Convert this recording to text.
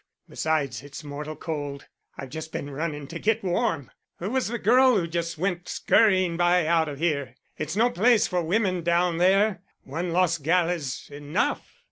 Besides, it's mortal cold; I've just been running to get warm. Who was the girl who just went scurrying by out of here? It's no place for wimmen down there. One lost gal is enough."